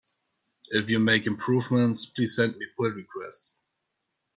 If you make improvements, please send me pull requests!